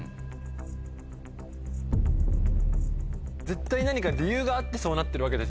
絶対何か理由があってそうなってるわけですよ